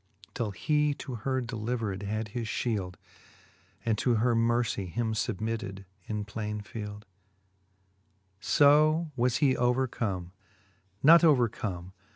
Till he to her delivered had his fhield, And to her mercie him fubmitted in plaine fields XVII. 5o was he overcome, not overcome.